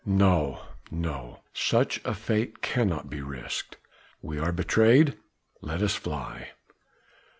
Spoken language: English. "No, no! such a fate cannot be risked. We are betrayed! let us fly!"